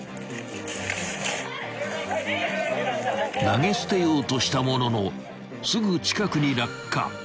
［投げ捨てようとしたもののすぐ近くに落下］